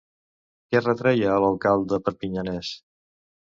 Què retreia a l'alcalde perpinyanès?